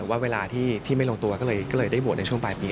ว่าเวลาที่ไม่ลงตัวก็เลยได้โหวตในช่วงปลายปี